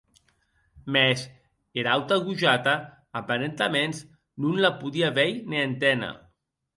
Mès era auta gojata aparentaments, non la podie veir ne enténer.